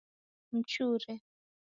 Mchure